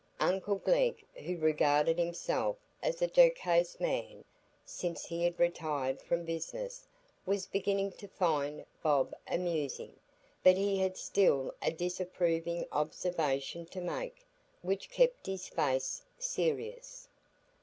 Uncle Glegg, who regarded himself as a jocose man since he had retired from business, was beginning to find Bob amusing, but he had still a disapproving observation to make, which kept his face serious.